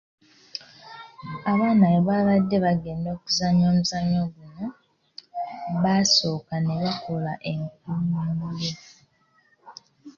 Abaana bwe baba nga bagenda okuzannyo omuzannyo guno, basooka ne bakola enkulungo.